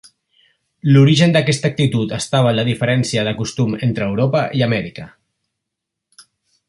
L'origen d'aquesta actitud estava en la diferència de costum entre Europa i Amèrica.